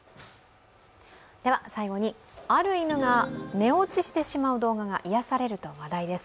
最後に、ある犬が寝落ちしてしまう動画が癒やされると話題です。